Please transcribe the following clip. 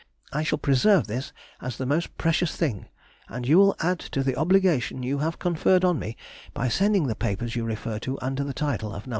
I shall preserve this as the most precious thing, and you will add to the obligation you have conferred on me by sending the papers you refer to under the title of No.